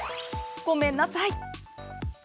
ごめんなさい。